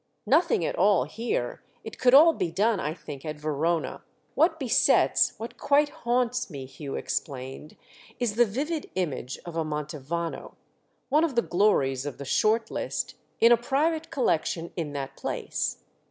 "Nothing at all here—it could all be done, I think, at Verona. What besets, what quite haunts me," Hugh explained, "is the vivid image of a Mantovano—one of the glories of the short list—in a private collection in that place.